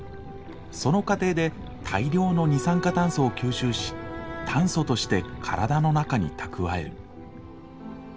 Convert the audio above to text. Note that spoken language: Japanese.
その過程で大量の二酸化炭素を吸収し炭素として体の中に蓄える。